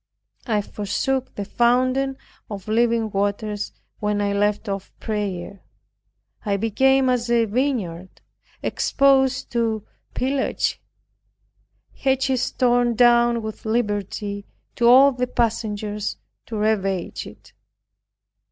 I forsook the fountain of living water when I left off prayer. I became as a vineyard exposed to pillage, hedges torn down with liberty to all the passengers to ravage it.